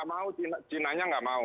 sudah tidak mau chinanya tidak mau